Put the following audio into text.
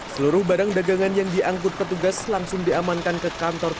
seluruh barang dagangan yang diangkut petugas langsung diamankan ke kantor